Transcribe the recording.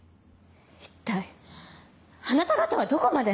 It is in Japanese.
一体あなた方はどこまで。